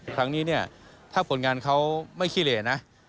ครั้งนี้เนี่ยถ้าผลงานเขาไม่ขี้เหลนะ